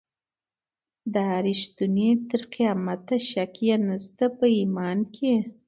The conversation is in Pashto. دا ریښتونی تر قیامته شک یې نسته په ایمان کي